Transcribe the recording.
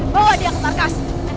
bawa dia ke parkas